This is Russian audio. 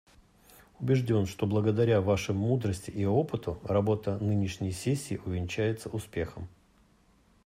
Убежден, что благодаря Вашим мудрости и опыту работа нынешней сессии увенчается успехом.